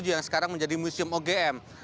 yang sekarang menjadi museum ogm